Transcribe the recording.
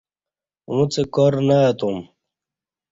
اُݩڅ کار نہ اتوم